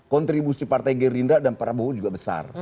kontribusi partai gerindra dan prabowo juga besar